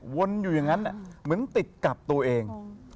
อยู่อย่างนั้นเหมือนติดกับตัวเอง